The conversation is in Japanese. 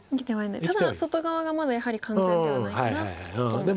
ただ外側がまだやはり完全ではないからと。